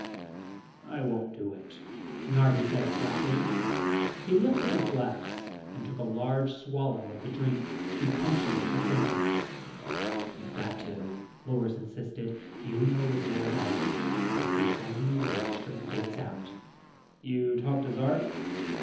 "I won't do it," Narvi said flatly. He lifted his glass and took a large swallow of the drink to punctuate the sentence. "You've got to," Lors insisted. "You know as well as I do, it's the only way to straighten things out." "You talk to Zark?"